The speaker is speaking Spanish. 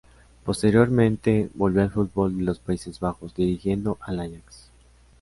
Posteriormente, volvió al fútbol de los Países Bajos, dirigiendo al Ajax.